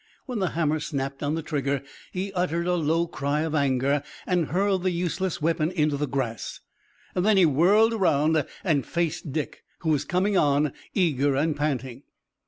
When the hammer snapped on the trigger he uttered a low cry of anger and hurled the useless weapon into the grass. Then he whirled around and faced Dick, who was coming on, eager and panting.